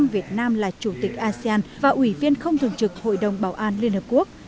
việt nam là chủ tịch asean và ủy viên không thường trực hội đồng bảo an liên hợp quốc